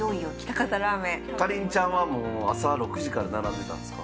かりんちゃんはもう朝６時から並んでたんすか？